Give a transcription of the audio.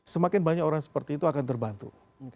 semakin banyak orang seperti itu akan terbantu